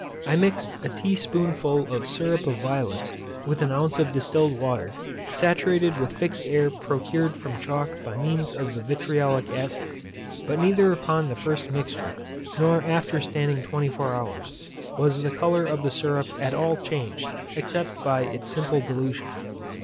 I mixed a tea spoonful of syrup of violets with an ounce of distilled water, saturated with fixed air procured from chalk by means of the vitriolic acid; but neither upon the first mixture, nor after standing 24 hours, was the colour of the syrup at all changed, except by its simple dilution.